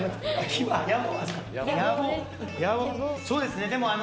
そうですね。